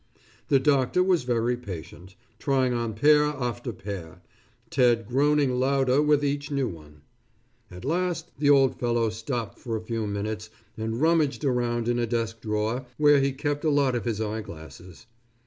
The doctor was very patient, trying on pair after pair, Ted groaning louder with each new one. At last, the old fellow stopped for a few minutes and rummaged around in a desk drawer where he kept a lot of his eyeglasses.